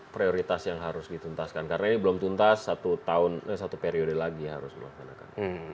prioritas yang harus dituntaskan karena ini belum tuntas satu periode lagi harus dilakukan